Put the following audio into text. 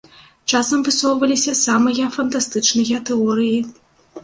Часам высоўваліся самыя фантастычныя тэорыі.